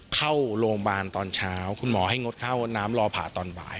เข้าโรงพยาบาลตอนเช้าคุณหมอให้งดเข้าน้ำรอผ่าตอนบ่าย